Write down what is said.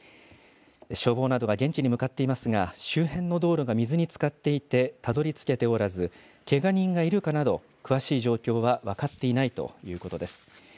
消防などが現地に向かっていますが、周辺の道路が水につかっていて、たどりつけておらず、けが人がいるかなど、詳しい状況は分かっていないということです。